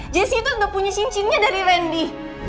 jessi itu udah punya cincinnya dari randy